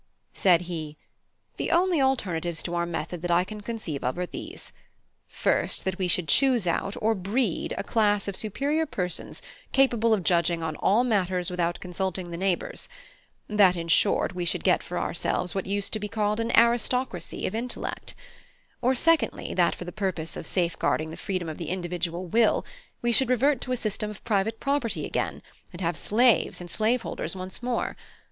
Said he: "The only alternatives to our method that I can conceive of are these. First, that we should choose out, or breed, a class of superior persons capable of judging on all matters without consulting the neighbours; that, in short, we should get for ourselves what used to be called an aristocracy of intellect; or, secondly, that for the purpose of safe guarding the freedom of the individual will, we should revert to a system of private property again, and have slaves and slave holders once more.